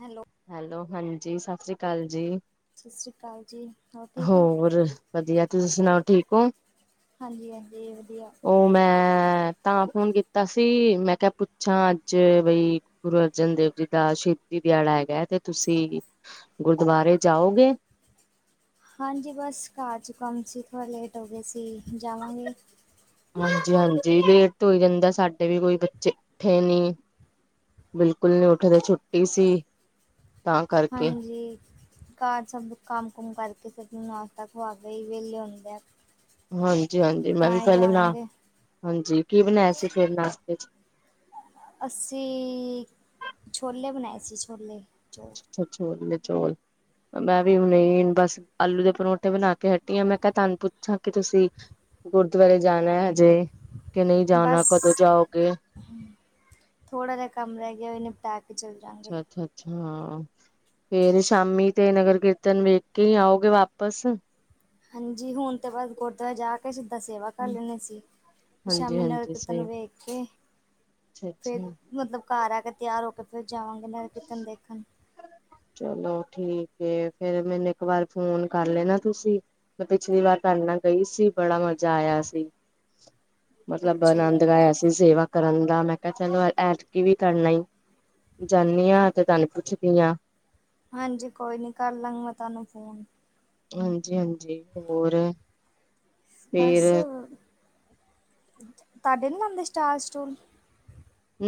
Hello. Hello, ਹਾਂਜੀ। ਸਾਸਰੀ ਕਾਲ ਜੀ। ਸਤਿ ਸ਼੍ਰੀ ਅਕਾਲ ਜੀ, ਹੋਰ, ਠੀਕ ਓ? ਹੋਰ ਵਧੀਆ। ਤੁਸੀਂ ਸੁਣਾਓ, ਠੀਕ ਹੋਂ? ਹਾਂਜੀ-ਹਾਂਜੀ, ਵਧੀਆ। ਉਹ ਮੈਂ ਤਾਂ ਫੋਨ ਕੀਤਾ ਸੀ, ਮੈਂ ਕਿਹਾ ਪੁੱਛਾਂ ਅੱਜ ਬਈ ਗੁਰੂ ਅਰਜਨ ਦੇਵ ਜੀ ਦਾ ਸ਼ਹੀਦੀ ਦਿਹਾੜਾ ਹੈਗਾ ਹੈ, ਤੇ ਤੁਸੀਂ ਗੁਰਦੁਆਰੇ ਜਾਓਗੇ? ਹਾਂਜੀ, ਬੱਸ, ਘਰ'ਚ ਕੰਮ ਸੀ ਥੋੜ੍ਹਾ ਲੇਟ ਹੋਗੇ ਸੀ, ਜਾਵਾਂਗੇ। ਹਾਂਜੀ-ਹਾਂਜੀ ਲੇਟ ਤੇ ਹੋਈ ਜਾਂਦਾ ਸਾਡੇ ਵੀ ਕੋਈ ਬੱਚੇ ਉੱਠੇ ਨੀ। ਬਿਲਕੁਲ ਨਹੀਂ ਉੱਠਦੇ, ਛੁੱਟੀ ਸੀ। ਤਾਂ ਕਰਕੇ ਹਾਂਜੀ। ਘਰ ਸਭ ਕੰਮ-ਕੁਮ ਕਰਕੇ, ਸਭ ਨੂੰ ਨਾਸ਼ਤਾ ਖਵਾਕੇ ਅਹੀ ਵਿਹਲੇ ਹੋਈ ਦਾ ਹੈ। ਹਾਂਜੀ-ਹਾਂਜੀ, ਮੈਂ ਵੀ ਪਹਿਲੇ ਨਾ, ਜਾਵਾਂਗੇ ਹਾਂਜੀ। ਕੀ ਬਣਾਇਆ ਸੀ, ਫਿਰ ਨਾਸ਼ਤੇ'ਚ? ਅਸੀਂ ਛੋਲੇ ਬਣਾਏ ਸੀ, ਛੋਲੇ, ਛੋ? ਅੱਛਾ, ਛੋਲੇ, ਚੌਲ। ''ਮੈਂ ਵੀ ਹੁਣੇ, ਬਸ ਆਲੂ ਦੇ ਪਰੌਂਠੇ ਬਣਾਕੇ ਹਟੀ ਆਂ, ਮੈਂ ਕਿਹਾ ਤੁਹਾਨੂੰ ਪੁੱਛਾਂ ਕਿ ਤੁਸੀਂ ਗੁਰਦੁਆਰੇ ਜਾਣਾ ਹਜੇ, ਕਿ ਨਹੀਂ ਜਾਣਾ, ਕਦੋਂ ਜਾਓਗੇ? ਥੋੜਾ ਜਾ ਕੰਮ ਰਹਿ ਗਿਆ, ਓਹੀ ਨਿਪਟਾਕੇ? ਅੱਛਾ-ਅੱਛਾ-ਅੱਛਾ, ਹਾ। ਫੇਰ ਸ਼ਾਮੀ ਤੇ, ਨਗਰ-ਕੀਰਤਨ ਵੇਖਕੇ ਹੀ ਆਂਉਗੇ ਵਾਪਸ? ਹਾਂਜੀ, ਹੁਣ ਤੇ ਬਸ ਗੁਰਦੁਆਰੇ ਜਾਕੇ ਸਿੱਧਾ ਸੇਵਾ ਕਰ ਲੈਂਦੇ ਸੀ। ਹਾਂਜੀ ਸ਼ਾਮੀ ਹਾਂਜੀ ਨਗਰ-ਕੀਰਤਨ ਸਹੀ ਨੂੰ ਵੇਖ ਅੱਛਾ ਫਿਰ, ਅੱਛਾ ਮਤਲਬ ਘਰ ਆਕੇ, ਤਿਆਰ ਹੋਕੇ ਫਿਰ ਜਾਵਾਂਗੇ ਨਗਰ-ਕੀਰਤਨ ਦੇਖਣ। ਚਲੋ ਠੀਕ ਏ, ਫਿਰ ਮੈਨੂੰ ਇੱਕ ਵਾਰ ਫੋਨ ਕਰ ਲੈਣਾ ਤੁਸੀਂ। ''ਮੈਂ ਪਿਛਲੀ ਵਾਰ ਤੁਹਾਡੇ ਨਾਲ ਗਈ ਸੀ, ਬੜਾ ਮਜ਼ਾ ਆਇਆ ਸੀ। ਮਤਲਬ ਅੱਛਾ ਜੀ, ਅਨੰਦ ਗਾਇਆ ਸੀ, ਸੇਵਾ ਕਰਨ ਦਾ। ਮੈਂ ਕਿਹਾ ਚਲੋ ਐਤਕੀ ਵੀ ਕਰਨਾ ਜਾਂਨੀ ਆਂ, ਤੇ ਤੁਹਾਨੂੰ ਪੁੱਛਦੀ ਹਾਂ। ਹਾਂਜੀ, ਕੋਈ ਨੀ ਕਰਲਾਂਗੀ, ਮੈਂ ਤੁਹਾਨੂੰ ਫੋਨ। ਹਾਂਜੀ-ਹਾਂਜੀ, ਹੋਰ? ਫੇਰ ਬਸ। ਤੁਹਾਡੇ ਨੀ ਲਾਂਦੇ, ਸਟਾਲ-ਸਟੂਲ?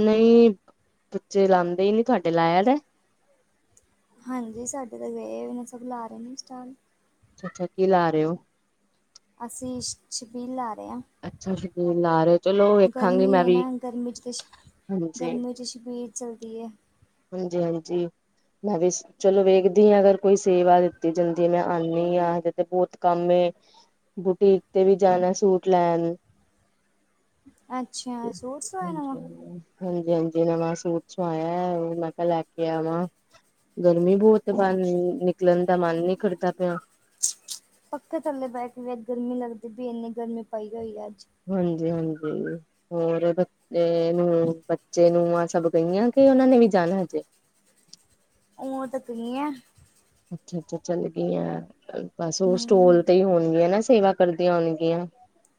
ਨਹੀਂ, ਬੱਚੇ ਲਾਂਦੇ ਹੀ ਨਹੀਂ, ਤੁਹਾਡੇ ਲਾਇਆ ਪਾਇਆ। ਹਾਂਜੀ, ਸਾਡੇ ਤਾਂ ਗਏ ਹੋਏ ਨੇ, ਸਭ ਲਾ ਰਹੇ ਨੇ ਸਟਾਲ। ਅੱਛਾ-ਅੱਛਾ, ਕੀ ਲਾ ਰਹੇ ਹੋ? ਅਸੀ ਛ, ਛਬੀਲ ਲਾ ਰਹੇ ਹਾਂ। ਅੱਛਾ ਸ਼ਬੀਲ ਲਾ ਰਹੇ ਹੋ ਚਲੋ ਵੇਖਾਂਗੀ ਗਰਮੀ ਮੈਂ ਏ ਵੀ ਨਾ, ਗਰਮੀ'ਚ ਤੇ, ਹਾਂਜੀ ਗਰਮੀ'ਚ ਛਬੀਲ ਚੱਲਦੀ ਹੈ। ਹਾਂਜੀ, ਹਾਂਜੀ। ਮੈਂ ਵੀ ਚਲੋ ਵੇਖਦੀ ਹ ਅਗਰ ਕੋਈ ਸੇਵਾ ਦਿੱਤੀ ਜਾਂਦੀ ਹੈ ਮੈਂ ਆਉਂਨੀ ਹਾ ਹਜੇ ਤੇ ਬਹੁਤ ਕੰਮ ਏ। ਬੁਟੀਕ ਤੇ ਵੀ ਜਾਣਾ ਸੂਟ ਲੈਣ। ਅੱਛਾ। ਸੂਟ ਸਵਾਣਾ ਵਾ? ਹਾਂਜੀਾ। ਹਾਂਜੀ, ਹਾਂਜੀ ਨਵਾਂ ਸੂਟ ਸੁਵਾਇਆ ਉਹ ਮੈਂ ਕਿਹਾ ਲੈ ਕੇ ਆਵਾਂ। ਗਰਮੀ ਬਹੁਤ ਬਾਹਰ ਨਿਕਲਣ ਦਾ ਮਨ ਨਹੀਂ ਕਰਦਾ ਪਿਆ। ਪੱਖੇ ਥੱਲੇ ਬਹਿਕੇ ਵੀ ਅੱਜ ਗਰਮੀ ਲੱਗਦੀ ਪਵੀ ਇੰਨੀ ਗਰਮੀ ਪਈ ਹੋਈ ਹੈ ਅੱਜ। ਹਾਂਜੀ, ਹਾਂਜੀ ਹੋਰ ਬੱਚੇ ਨੂੰ ਬੱਚੇ ਨੂਆ ਸਭ? ਗਈਆਂ ਕਿ ਉਹਨਾਂ ਨੇ ਵੀ ਜਾਣਾ ਹਜੇ। ਉਹ ਤਾਂ ਗਈਆ। ਅੱਛਾ, ਅੱਛਾ ਚੱਲੀ ਗਈਆ ਬਸ ਉਹ ਹੂੰ ਸਟੋਲ ਹੀ ਹੋਣਗੀਆਂ ਨਾ ਸੇਵਾ ਕਰਦੀਆਂ ਹੋਣਗੀਆਂ।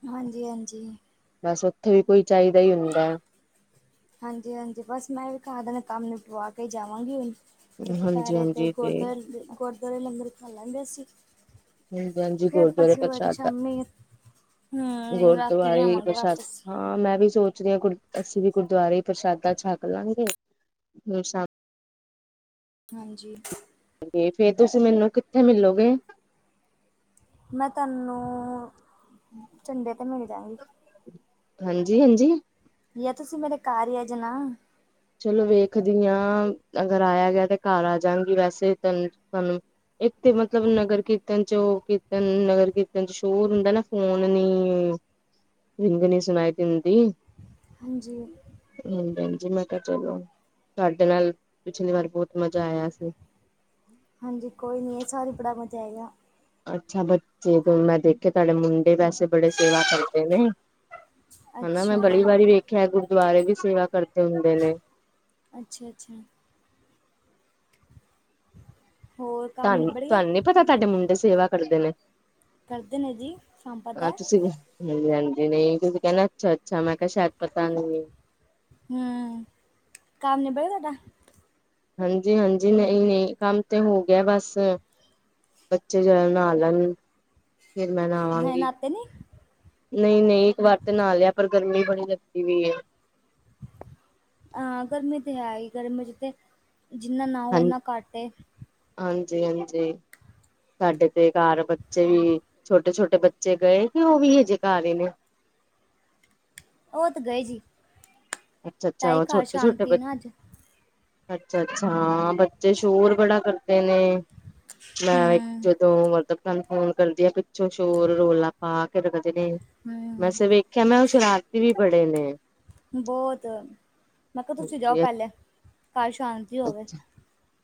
ਹਾਂਜੀ, ਹਾਂਜੀ। ਬਸ ਉੱਥੇ ਵੀ ਕੋਈ ਚਾਹੀਦਾ ਹੀ ਹੁੰਦਾ। ਹਾਂਜੀ, ਹਾਂਜੀ ਬਸ ਮੈਂ ਵੀ ਘਰ ਦਾ ਕੰਮ ਨਿਪਟਾਵਾ ਕੇ ਜਾਵਾਂਗੀ। ਫਿਰ ਦੁਪਹਿਰੇ ਤੇ ਗੁਰਦੁਆਰੇ, ਗੁਰਦੁਆਰੇ ਲੰਗਰ ਖਾ ਲਵਾਂਗੇ ਅਸੀਂ। ਹਾਂਜੀ-ਹਾਂਜੀ ਫਿਰ ਗੁਰਦੁਆਰੇ ਪਾਸ ਹੋ ਕੇ ਪ੍ਰਸ਼ਾਦਾ ਸ਼ਾਮੀ ਹੁ ਰਾਤੀ ਗੁਰਦੁਆਰੇ ਆਵਾਂਗੇ ਪ੍ਰਸ਼ਾਦ ਵਾਪਿਸ। ਹਾਂ ਮੈਂ ਵੀ ਸੋਚ ਰਹੀ ਹਾਂ ਗੁਰ ਅਸੀਂ ਵੀ ਗੁਰਦੁਆਰੇ ਪ੍ਰਸ਼ਾਦਾ ਛਕ ਲਾਂਗੇ ਫਿਰ ਸ਼ਾਮੀ। ਹਾਂਜੀ। ਫੇਰ ਤੁਸੀਂ ਮੈਨੂੰ ਕਿੱਥੇ ਮਿਲੋਗੇ। ਮੈਂ ਤੁਹਾਨੂੰ ਝੰਡੇ ਤੇ ਮਿਲ ਜਾਂਗੀ। ਹਾਂਜੀ, ਹਾਂਜੀ। ਯਾਂ ਤੁਸੀਂ ਮੇਰੇ ਘਰ ਈ ਆ ਜਾਨਾ। ਚਲੋ ਵੇਖਦੀ ਆਂ ਅਗਰ ਆਇਆ ਗਿਆ ਤੇ ਘਰ ਆ ਜਾਂਗੀ ਵੈਸੇ ਤ ਤੁਹਾਨੂੰ ਇਥੇ ਮਤਲਬ ਨਗਰ ਕੀਰਤਨ ਚ ਉਹ ਕੀਰਤਨ ਨਗਰ ਕੀਰਤਨ ਚ ਸ਼ੋਰ ਹੁੰਦਾ ਨਾ ਫੋਨ ਨੀ [unintelligible] ਰਿੰਗ ਨੀਂ ਸੁਣਾਈ ਦਿੰਦੀ। ਹਾਂਜੀ। ਹਾਂਜੀ ਹਾਂਜੀ। ਮੈਂ ਕਿਆ ਚਲੋ, ਤੁਹਾਡੇ ਨਾਲ ਪਿਛਲੀ ਵਾਰ ਬੋਤ ਮਜ਼ਾ ਆਇਆ ਸੀ। ਹਾਂਜੀ ਕੋਈ ਨੀਂ, ਇਸ ਵਾਰ ਵੀ ਬੜਾ ਮਜ਼ਾ ਆਏਗਾ। ਅੱਛਾ ਬੱਚੇ ਤੋਂ ਮੈਂ ਦੇਖਿਆ ਤੁਹਾਡੇ ਮੁੰਡੇ ਵੈਸੇ ਬੜੇ ਸੇਵਾ ਕਰਦੇ ਨੇ। ਹਨਾ ਮੈਂ ਬੜੀ ਅੱਛਾ। ਵਾਰੀ ਵੇਖਿਆ ਗੁਰਦੁਆਰੇ ਵੀ ਸੇਵਾ ਕਰਦੇ ਹੁੰਦੇ ਨੇ। ਅੱਛਾ, ਅੱਛਾ। ਹੋਰ ਕੰਮ ਤੁਹਾਨੂ, ਨਿਬੜ ਗਿਆ ਤੁਹਾਨੂੰ ਨੀ ਪਤਾ ਤੁਹਾਡੇ ਮੁੰਡੇ ਸੇਵਾ ਕਰਦੇ ਨੇ। ਕਰਦੇ ਨੇ ਜੀ, ਸਾਨੂੰ ਹਾਂ ਪਤਾ। ਤੁਸੀਂ ਹਾਂਜੀ, ਹਾਂਜੀ, ਨਈ ਤੁਸੀਂ ਕਹਿੰਣਾ ਅੱਛਾ-ਅੱਛਾ ਮੈਂ ਕਿਆ ਸ਼ਾਇਦ ਪਤਾ ਨਈ ਏ। ਹਂ, ਕੰਮ ਨੀਬੜ ਗਿਆ ਤੁਹਾਡਾ। ਹਾਂਜੀ, ਹਾਂਜੀ, ਨਈਂ ਨਈਂ, ਕੰਮ ਤੇ ਹੋ ਗਿਆ ਬਸ। ਬੱਚੇ ਜਦੋਂ ਨਾਹ ਲੈਣ ਫਿਰ ਮੈਂ ਹਜੇ ਨਾਵਾਂਗੀ। ਨਾਤੇ ਨੀ। ਨਈਂ ਨਈਂ, ਇੱਕ ਵਾਰ ਤੇ ਨਾਅ ਲਿਆ ਪਰ ਗਰਮੀ ਬੜੀ ਲੱਗਦੀ ਪਈ ਏ। ਹਾਂ ਗਰਮੀ ਤੇ ਹੈਈ ਗਰਮੀ ਚ ਤੇ ਜਿੰਨਾ ਨਹਾਓ ਹਾਂ ਓਨਾ ਘੱਟ ਏ। ਹਾਂਜੀ, ਹਾਂਜੀ। ‌ ਸਾਡੇ ਤੇ ਘਰ ਬੱਚੇ ਵੀ ਛੋਟੇ-ਛੋਟੇ ਬੱਚੇ ਗਏ ਕਿ ਉਹ ਵੀ ਹਜੇ ਘਰ ਈ ਨੇ। ਉਹ ਤੇ ਗਏ ਜੀ, ਅੱਛਾ ਅੱਛਾ ਤਾਈ ਉਹ ਘਰ ਛੋਟੇ ਛੋਟੇ ਸ਼ਾਂਤੀ ਬ ਨਾ ਅੱਜ। ਅੱਛਾ ਅੱਛਾ, ਹਾਂ ਬੱਚੇ ਸ਼ੋਰ ਬੜਾ ਕਰਦੇ ਨੇ ਮੈਂ ਇੱਕ ਹੂੰ ਮਤਲਬ ਤਹਾਨੂੰ ਫੋਨ ਕਰਦੀ ਆ ਪਿੱਛੋਂ ਸ਼ੋਰ ਰੌਲਾ ਪਾ ਕੇ ਰਖਦੇ ਨੇ। ਹੂੰ ਵੈਸੇ ਵੇਖਿਆ ਮੈਂ ਉਹ ਸ਼ਰਾਰਤੀ ਵੀ ਬੜੇ ਨੇ। ਬੋਤ, ਮੈਂ ਕਿਆ ਤੁਸੀਂ ਜਾਓ ਪਹਿਲੇ, ਘਰ ਸ਼ਾਂਤੀ ਹੋਵੇ।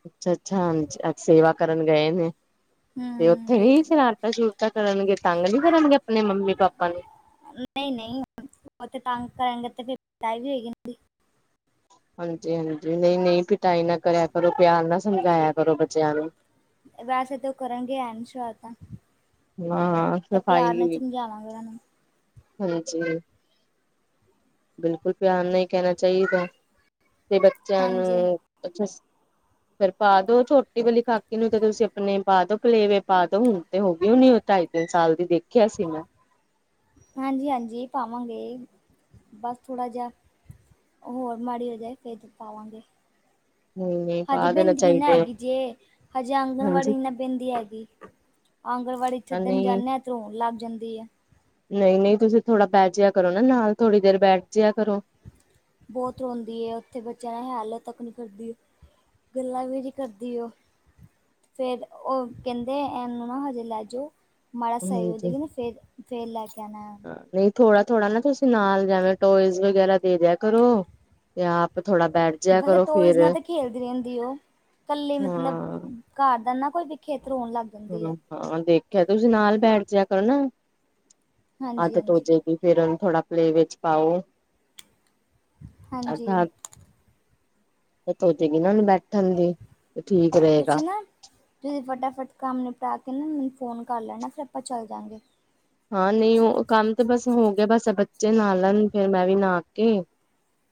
ਅੱਛਾ, ਅੱਛਾ, ਹੁਣ ਅੱਜ ਸੇਵਾ ਕਰਨ ਗਏ ਨੇ ਤੇ ਉੱਥੇ ਹੂੰ ਵੀ ਸ਼ਰਾਰਤ ਸੂ਼ਰੁਰਤਾਂ ਕਰਨਗੇ ਤੰਗ ਨਈ ਕਰਨਗੇ ਆਪਣੇ ਮੰਮੀ ਪਾਪਾ ਨੂੰ। ਨਈਂ ਨਈਂ, ਓਥੇ ਤੰਗ ਕਰਣਗੇ ਤੇ ਫਿਰ ਟਾਈ ਵੀ ਹੋਏਗੀ ਇਨ੍ਹਾਂ ਦੀ। ਹਾਂਜੀ ਹਾਂਜੀ, ਨਈਂ ਨਈਂ, ਪਿਟਾਈ ਨਾ ਕਰਿਆ ਕਰੋ ਪਿਆਰ ਨਾ ਸਮਝਾਇਆ ਕਰੋ ਬੱਚਿਆਂ ਨੂੰ। ਵੈਸੇ ਤੇ ਕਰਨਗੇ ਐਨ [unintelligible] ਐ। ਹਾਂ ਤੇ ਪਿਆਰ ਸਫ਼ਾਈ ਸਮਝਾਵਾਂਗੇ ਉਹਨਾਂ ਨੂੰ। ਹਾਂਜੀ। ਬਿਲਕੁਲ ਪਿਆਰ ਨਾ ਈ ਕਹਿਣਾ ਚਾਈਦਾ ਤੇ ਬੱਚਿਆਂ ਹਾਂਜੀ ਨੂੰ ਅੱਛਾ ਫੇਰ ਪਾ ਦੋ ਛੋਟੀ ਵਾਲੀ ਖਾਕੀ ਨੂੰ ਤੇ ਤੁਸੀਂ ਆਪਣੇ ਪਾ ਦੋ ਪਲੇ ਵੇ ਪਾਦੋ ਹੁਣ ਤੇ ਹੋ ਗਈ ਹੁਣੀ ਉਹ ਢਾਈ ਤਿੰਨ ਸਾਲ ਦੀ ਦੇਖਿਆ ਸੀ ਮੈਂ। ਹਾਂਜੀ ਹਾਂਜੀ ਪਾਵਾਂਗੇ, ਬਸ ਥੋੜ੍ਹਾ ਜਿਆ ਹੋਰ ਮਾੜੀ ਹੋ ਜਾਏ ਫੇਰ [unintelligible] ਵਾਂਗੇ ਨਈ-ਨਈ ਹਜੇ ਪਾ ਦੇਣਾ ਬੇਂਦੀ ਨੀ ਨਾ ਚਾਹੀਦਾ ਹੇਗੀ ਜੇ, ਹਜੇ ਹਾਂਜੀ ਆਂਗਨਵਾੜੀ ਨੀ ਨਾ ਬੇਂਦੀ ਹੈਗੀ। ਆਂਗਣਵਾੜੀ ਛੱਡਣ ਨਹੀਂ ਜਾਂਣਾ ਏ ਤੇ ਰੋਣ ਲੱਗ ਜਾਂਦੀ ਐ। ਨਈਂ ਨਈਂ, ਤੁਸੀਂ ਥੋੜ੍ਹਾ ਬਹਿ ਜਿਹਾ ਕਰੋ ਨਾ ਨਾਲ ਥੋੜ੍ਹੀ ਦੇਰ ਬੈਠ ਜਿਆ ਕਰੋ। ਬੋਤ ਰੋਂਦੀ ਏ ਉੱਥੇ ਬੱਚਿਆਂ ਨਾਲ ਹੈ ਲੋ ਤੱਕ ਨ੍ਹੀਂ ਕਰਦੀ ਐ। ਗੱਲਾਂ ਵੀ ਨੀ ਕਰਦੀ ਓ। ਫੇਰ ਓ ਕੇੰਦੇ ਏਨੂੰ ਨਾ ਹਜੇ ਲੈ ਜੋ ਮਾੜਾ ਸਈ ਹੋ ਹਾਂਜੀ। ਜੇਗੀ ਨਾ ਫੇ ਫੇਰ ਲੈ ਕੇ ਆਨਾ। ਥੋੜਾ-ਥੋੜਾ ਨਾ ਤੁਸੀਂ ਨਾਲ ਜੈਵੇਂ ਟੋਇਜ਼ ਵਗੈਰਾ ਦੇ ਦੇਆ ਕਰੋ ਤੇ ਆਪ ਥੋੜਾ ਬੈਠ ਜਿਆ ਵੈਸੇ ਕਰੋ ਟੋਇਜ਼ ਫੇਰ ਨਾਲ ਤਾਂ ਖੇਲਦੀ ਰੈਦੀ ਓ ਕੱਲੀ ਮਤਲਬ ਹਾਂ ਕਾਰ ਦਾ ਨਾ ਕੋਈ ਦਿਖੇ ਤੇ ਰੋਣ ਲੱਗ ਜਾਂਦੀ ਹੈ ਹੂੰ ਹਾਂ ਦੇਖਿਆ ਤੁਸੀਂ ਨਾਲ ਬੈਠ ਜੇਆ ਕਰੋ ਨਾ ਹਾਂਜੀ ਆਦਤ ਹਾਂਜੀ ਹੋੋਜੇਗੀ। ਫਿਰ ਓਨੂੰ ਥੋੜਾ ਪਲੇ ਵੇ ਚ ਪਾਓ ਹਾਂਜੀ ਅੱਰਥਾਥ ਜਤ ਹੋਚੇਗੀ ਨਾ ਬੈਠਣ ਦੀ ਤੇ ਠੀਕ ਰਏਗਾ। ਤੁਸੀਂ ਨਾ ਤੁਸੀਂ ਫਟਾਫਟ ਕੰਮ ਨਿਪਟਾ ਕੇ ਨਾ ਮੈਨੂੰ ਫੋਨ ਕਰ ਲੈਣਾ ਫਿਰ ਆਪਾਂ ਚੱਲ ਜਾਂਗੇ। ਹਾਂ ਨਹੀਂ ਓ ਕੰਮ ਤੇ ਬਸ ਹੋ ਗਿਆ ਬਸ ਬੱਚੇ ਨਾ ਲੈਣ ਫੇਰ ਮੈਂ ਵੀ ਨਾ ਕੇ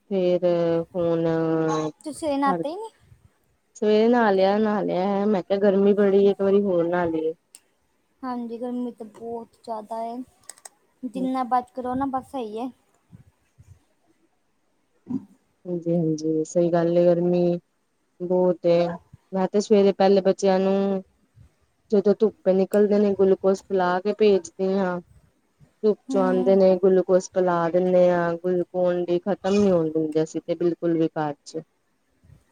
ਫੇਰ ਹੂਣ ਤੁਸੀ ਹੇ ਨਾਤੇ ਨਈ ਸਵੇਰੇ ਨਾ ਲਯਾ-ਨਾ ਲਯਾ ਐ ਮੈ ਕਿਹਾ ਗਰਮੀ ਬੜੀ ਇੱਕ ਵਾਰੀ ਹੋਰ ਨਾ ਲਇਏ। ਹਾਂਜੀ ਗਰਮੀ ਤੇ ਬੋਹਤ ਜਾਦਾ ਏ ਜਿੰਨਾ ਬਚ ਕੇ ਰੋ ਨਾ ਬਸ ਸਈ ਏ। ਹਾਂਜੀ-ਹਾਂਜੀ ਸਈ ਗੱਲ ਏ ਗਰਮੀ ਬੋਤ ਏ ਮੈਂ ਤੇ ਸਵੇਰੇ ਪੈਲੇ ਬੱਚਿਆਂ ਨੂੰ ਜਦੋਂ ਧੁੱਪੇ ਨਿਕਲਦੇ ਨੇ ਗੁਲੂਕੋਸ ਪਲਾ ਕੇ ਪੇਜਦੇ ਆਂ ਧੁੱਪ ਚੋ ਆਂਦੇ ਹੂੰ ਨੇ ਗਲੂਕੋਸ ਪਲਾ ਦਿੰਣੇ‌ ਆ ਗਲੂਕੋਨ ਡੀ ਖ ਤਮ ਨੀ ਹੋਣ ਦਿੰਦੇ ਅਸੀ ਤੇ ਬਿਲਕੁਲ ਵੀ ਕਾਰ ਚ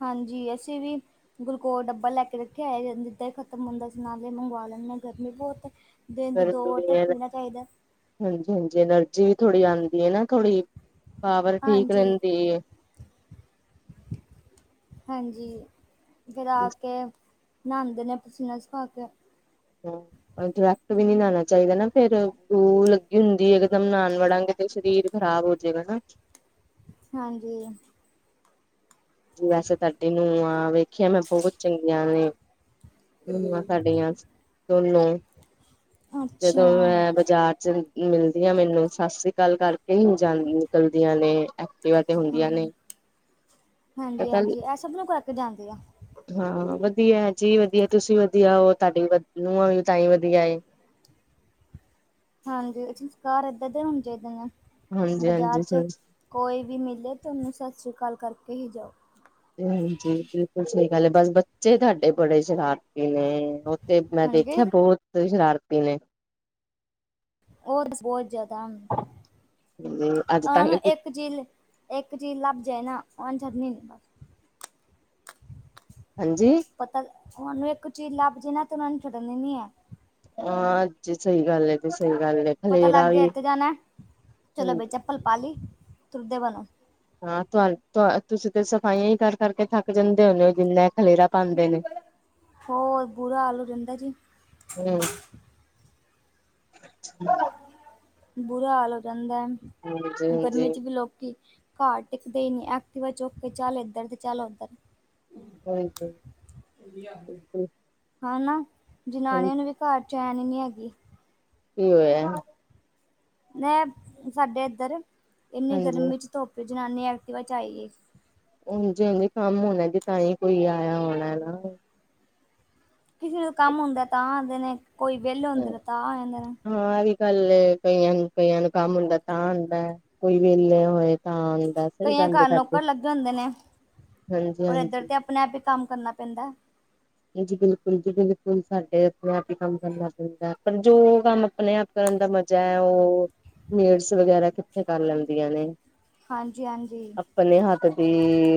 ਹਾਂਜੀ ਅਸੀਂ ਵੀ। ਗਲੂਕੋ ਡੱਬਾ ਲੈ ਕੇ ਰੱਖਯਾ ਹੋਯਾ ਜਾਂ ਜਿੱਦਾਂ ਖ਼ਤਮ ਹੁੰਦਾ ਸੀ ਨਾਲੇ ਈ ਮੰਗਵਾ ਲੈਂਣੇ ਗਰਮੀ ਬੋਤ ਏ। ਫਰਕ ਦੁਨੀਆਂ ਦਾ ਹਾਂਜੀ-ਹਾਂਜੀ ਐਨਰਜੀ ਵੀ ਥੋੜੀ ਆਂਦੀ ਏ ਨਾ ਥੋੜੀ ਪਾਵਰ ਠੀਕ ਹਾਂਜੀ ਰੇਂਦੀ ਏ। ਹਾਂਜੀ ਫਿਰ ਆ ਕੇ ਨਾਅਂਦੇ ਨੇ ਪਸੀਨਾ ਸੁਖਾ ਕੇ ਹਾਂ ਡਰੈਕਟ ਵੀ ਨੀ ਨਾਣਾ ਚਾਇਦਾ ਨਾ ਫੇਰ ਲੂ ਲੱਗੀ ਹੁੰਦੀ ਏ ਏਕਦਮ ਨਾਨ ਵੜਾਂਗੇ ਤੇ ਸ਼ਰੀਰ ਖਰਾਬ ਹੋ ਜੇਗਾ ਨਾ ਹਾਂਜੀ। ਵੈਸੇ ਤਾਡੀੇ ਨੂੰਆ ਵੇਖਿਆ ਮੈਂ ਬੋਹਤ ਚੰਗੀਆਂ ਨੇ। ਨੂਆਂ ਤਾਡੀਆਂ ਦੋਨੋ ਜਦੋਂ ਅੱਛਾ ਅ ਬਾਜ਼ਾਰ ਮਿਲਦੀਆਂ ਮੈਨੂੰ ਸਾਸ ਸ੍ਰੀ ਕਾਲ ਕਰਕੇ ਹੀ ਜਾਂਦੀ ਨਿਕਲਦੀਆਂ ਨੇ। ਕਈ ਵਾਰ ਤੇ ਹੁੰਦੀਆਂ ਨੇ ਪਤਾ ਨੀ, ਹਾਂਜੀ-ਹਾਂਜੀ ਐ ਸਭ ਨੂੰ ਕਰਕੇ ਜਾਂਦੀਆ। ਹਾਂ ਵਧੀਆ ਜੀ ਵਧੀਆ ਤੁਸੀਂ ਵਧੀਆ ਓ ਤਾਡੀ ਨੂਆਂ ਵੀ ਤਾਂਈ ਵਧੀਆ ਏ। ਹਾਂਜੀ ਸੰਸਕਾਰ ਏਦਾਂ ਦੇ ਹੋਣੇ ਚਾਇਦੇ ਨੇ ਹਾਂਜੀ ਬਜ਼ਾਰ ਚ ਹਾਂਜੀ ਕੋਈ ਵੀ ਮਿਲੇ ਤੇ ਓਨੂੰ ਸਾਸ ਸ਼੍ਰੀ ਕਾਲ ਕਰਕੇ ਹੀ ਜਾਓ। ਹਾਂਜੀ ਬਿਲਕੁਲ ਸਹੀ ਗੱਲ ਏ ਬਸ ਬੱਚੇ ਤਾਡੇ ਬੜੇ ਸ਼ਰਾਰਤੀ ਨੇ ਤੇ ਮੈਂ ਹਾਂਜੀ ਦੇਖਿਆ ਬੋਹਤ ਸ਼ਰਾਰਤੀ ਨੇ ਓ ਤੇ ਬੋਹਤ ਜਿਆਦਾ ਅੱਜ ਆਹ ਤੰਗ ਨੂੰ ਕੀਤਾ ਇੱਕ ਚੀਜ਼‌ ਲਿ ਏਕ ਚੀਜ਼ ਲੱਭ ਜੇ ਨਾ ਔ ਨੀ ਛਡਨੀ ਬਸ। ਹਂਜੀ ਪਤਾ ਓਨੂੰ ਏੱਕ ਚੀਜ਼ ਲੱਭ ਜੇ ਨਾ ਤੇ ਓਨਾਂ ਨੇ ਛੱਡਣੀ ਨੀ ਐ। ਹਾਂ ਅੱਜ ਸਈ ਗੱਲ ਏ ਤੇ ਸਈ ਗੱਲ ਏ। ਪਤਾ ਲੱਗ ਗਯਾ ਐਥੇ ਜਾਣਾ ਚਲੋ ਹਾਂਜੀ, ਬਈ ਚੱਪਲ ਪਾ ਲੀ ਤੁਰਦੇ ਬਨੋ। ਹਾਂ ਤੁਆ-ਤ ਤੁਸੀਂ ਤੇ ਸਫਾਈਆਂ ਹੀ ਕਰ-ਕਰਕੇ ਥੱਕ ਜਾਂਦੇ ਹੋਣੇ ਜਿੰਨਾ ਏ ਖਲੇਰਾ ਪਾਂਦੇ ਨੇ। ਹੋਰ ਬੁਰਾ ਹਾਲ ਹੋ ਜਾਂਦਾ ਜੀ। ਹੋਰ [inaudible] ਬੁਰਾ ਹਾਲ ਹੋ ਜਾਂਦਾ ਹਾਂਜੀ ਹੈ ਹਾਂਜੀ ਗਰਮੀ 'ਚ ਵੀ ਲੋਕੀ ਘਾਰ ਟਿੱਕਦੇ ਹੀ ਨਈ ਐਕਟੀਵਾ ਚੁੱਕ ਕੇ ਚੱਲ ਇੱਧਰ ਤੇ ਚੱਲ ਉੱਧਰ ਹਾਂਜੀ ਹਾਂ ਨਾ ਹਾਂਜੀ ਜਨਾਣੀਆਂ ਨੂੰ ਵੀ ਘਾਰ ਚੈਨ ਨੀ ਨਈ ਹੈਗੀ। ਕੀ ਹੋਇਆ। ਮੈਂ ਸਾਡੇ ਇੱਧਰ ਇੰਨੀ ਹਾਂਜੀ ਗਰਮੀ 'ਚ ਧੁੱਪ ਜਨਾਨੀ ਐਕਟੀਵਾ 'ਚ ਆਈ ਏ। ਉਂਝ ਜਰੂਰੀ ਕੰਮ ਹੋਣਾ ਜੇ ਤਾਂਹੀ ਕੋਈ ਆਇਆ ਹੋਣਾ ਨਾ। ਕਿਸੇ ਨੂੰ ਕੰਮ ਹੁੰਦਾ ਤਾਂ ਆਂਦੇ ਨੇ ਕੋਈ ਵਿਹਲੇ ਹੁੰਦੇ ਨੇ ਤਾਂ ਆ ਦੇ ਨੇ। ਹਾਂ ਇਹ ਵੀ ਗੱਲ ਕਈਆਂ-ਕਈਆਂ ਨੂੰ ਕੰਮ ਹੁੰਦਾ ਤਾਂ ਆਂਦਾ ਕੋਈ ਵੇਹਲੇ ਹੋਏ ਤਾਂ ਆਂਦਾ ਸਈ ਕਈਆਂ ਗੱਲ ਘਰ ਤੁਆਡੀ ਨੌਕਰ ਲੱਗੇ ਹੁੰਦੇ ਨੇ ਔਰ ਇੱਧਰ ਹਾਂਜੀ-ਹਾਂਜੀ ਤੇ ਆਪਣੇ ਆਪ ਈ ਕੰਮ ਕਰਨਾ ਪੈਂਦਾ। ਜੀ ਬਿਲਕੁਲ ਜੀ ਬਿਲਕੁਲ ਸਾਡੇ ਆਪਣੇ ਆਪ ਈ ਕੰਮ ਕਰਨਾ ਪੈਂਦਾ। ਪਰ ਜੋ ਕੰਮ ਆਪਣੇ ਆਪ ਕਰਨ ਦਾ ਮਜ਼ਾ ਹੈ ਓ ਮੈਡਸ ਵਗੈਰਾ ਕਿੱਥੇ ਕਰ ਲੈਂਦੀਆਂ ਨੇ। ਹਾਂਜੀ-ਹਾਂਜੀ ਆਪਣੇ ਹੱਥ ਦੀ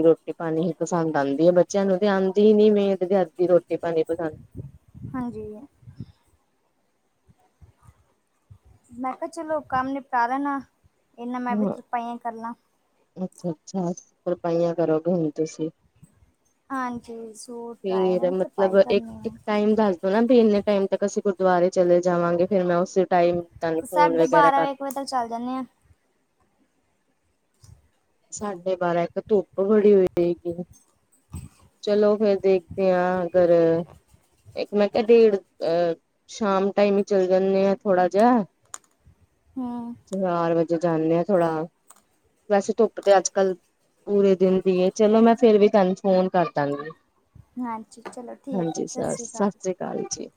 ਰੋਟੀ ਪਾਣੀ ਹੀ ਪਸੰਦ ਆਂਦੀ ਹੈ ਬੱਚਿਆਂ ਨੂੰ ਤੇ ਆਂਦੀ ਹੀ ਨੀ ਮੇਡ ਦੇ ਹੱਥ ਦੀ ਰੋਟੀ ਪਾਣੀ ਪਸੰਦ ਹਾਂਜੀ ਮੈਂ ਕਿਆ ਚਲੋ ਕੰਮ ਨਿਪਟਾ ਲੈਣਾ ਇਹਨਾ ਮੈਂ ਵੀ ਤੁਰਪਾਈਆਂ ਕਰ ਲਾਂ। ਅੱਛਾ-ਅੱਛਾ ਤੁਰਪਾਈਆਂ ਕਰੋਗੇ ਹੁਣ ਤੁਸੀਂ ਹਾਂਜੀ ਸੂਟ ਟਾਏ ਫੇਰ ਨਾਲ ਮਤਲਬ ਤਰਪਾਈ ਕਰਨੀ ਇੱਕ-ਇੱਕ ਆ। ਟਾਈਮ ਦਾ ਹੈ ਨਾ ਵੀ ਇੰਨੇ ਟੈਮ ਤੱਕ ਅਸੀਂ ਗੁਰੂਦੁਆਰੇ ਚਲੇ ਜਾਵਾਂਗੇ ਫੇਰ ਮੈਂ ਉਸੇ ਟਾਈਮ ਤੁਹਾਨੂੰ ਫੋਨ ਸਾਢੇ ਵਗੈਰਾ ਬਾਰਾਂ ਕਰ ਵਜ ਇੱਕ ਵਜੇ ਤੱਕ ਚੱਲ ਜਾਂਦੇ ਆਂ ਸਾਢੇ ਬਾਰਾਂ ਇੱਕ ਧੁੱਪ ਬੜੀ ਹੋਏਗੀ। ਚਲੋ ਫੇਰ ਦੇਖਤੇ ਆਂ ਅਗਰ ਇੱਕ ਮੈਂ ਕਿਆ ਡੇਢ ਅ ਸ਼ਾਮ ਟਾਈਮ ਹੀ ਚੱਲ ਜਾਂਣੇ ਆ ਥੋੜਾ ਜਿਹਾ ਹਾਂ ਚਾਰ ਵਜੇ ਜਾਂਣੇ ਆ ਥੋੜ੍ਹਾ ਵੈਸੇ ਧੁੱਪ ਤੇ ਅੱਜ ਕੱਲ ਪੂਰੇ ਦਿਨ ਦੀ ਚਲੋ ਮੈਂ ਫੇਰ ਵੀ ਤੁਹਾਨੂੰ ਫੋਨ ਕਰ ਦਾਂਗੀ। ਹਾਂਜੀ ਚਲੋ ਠੀਕ ਹੈ ਸਤਿ ਸ਼੍ਰੀ ਅਕਾਲ। ਕਾਲ ਜੀ।